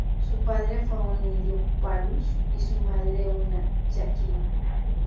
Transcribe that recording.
Su padre fue un indio Palus y su madre una Yakima.